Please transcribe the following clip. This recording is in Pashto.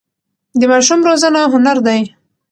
د ماشوم روزنه هنر دی.